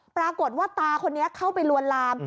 ปรากฏว่าตาคนนี้เข้าไปลวนลาม